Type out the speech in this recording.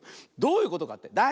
どういうことかって？